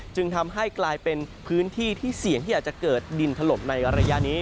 จึงทำให้กลายเป็นพื้นที่ที่เสี่ยงที่อาจจะเกิดดินถล่มในระยะนี้